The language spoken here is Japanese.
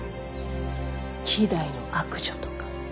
希代の悪女とか。